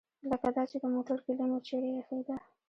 لکه دا چې د موټر کیلي مو چیرې ایښې ده.